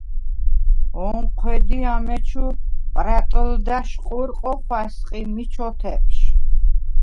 ონჴვედ ი ამეჩუ პრატჷლდა̈შ ყურყვ ოხა̈სყ ი მი ჩოთეპჟ.